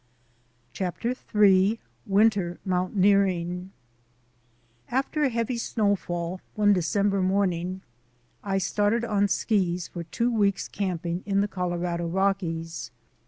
CHAPTER III WINTER MOUNTAINEERING AFTER a heavy snowfall, one December A\ morning, I started on skis for two weeks' camping in the Colorado Rockies.